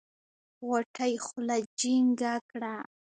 غوټۍ خوله جينګه کړه.